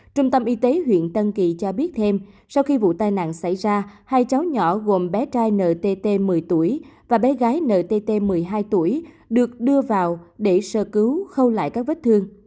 trung tâm y tế huyện tân kỳ cho biết thêm sau khi vụ tai nạn xảy ra hai cháu nhỏ gồm bé trai ntt một mươi tuổi và bé gái ntt một mươi hai tuổi được đưa vào để sơ cứu khâu lại các vết thương